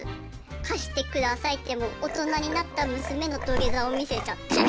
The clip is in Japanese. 貸してくださいって大人になった娘の土下座を見せちゃって。